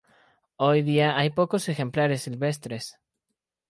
Hoy día hay pocos ejemplares silvestres.